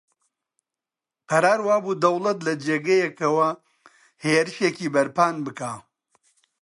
قەرار وا بوو دەوڵەت لە جێگەیەکەوە هێرشێکی بەرپان بکا